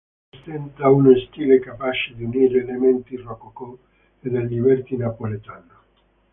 Presenta uno stile capace di unire elementi rococò e del liberty napoletano.